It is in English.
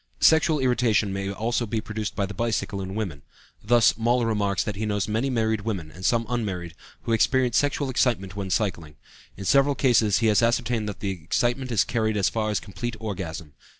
Sexual irritation may also be produced by the bicycle in women. Thus, Moll remarks that he knows many married women, and some unmarried, who experience sexual excitement when cycling; in several cases he has ascertained that the excitement is carried as far as complete orgasm.